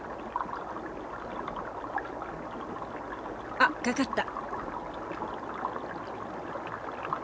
あっ掛かった！